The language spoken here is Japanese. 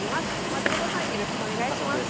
松本さんよろしくお願いします。